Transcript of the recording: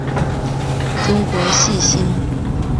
中国细辛